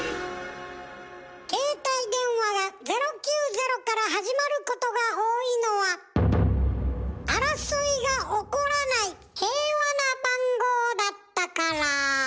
携帯電話が０９０から始まることが多いのは争いが起こらない平和な番号だったから。